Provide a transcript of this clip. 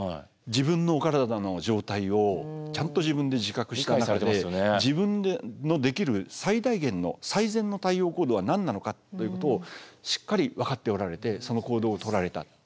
自分のお体の状態をちゃんと自分で自覚した中で自分のできる最大限の最善の対応行動は何なのかということをしっかり分かっておられてその行動を取られた。